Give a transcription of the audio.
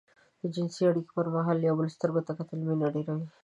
د جنسي اړيکې پر مهال د يو بل سترګو ته کتل مينه ډېروي.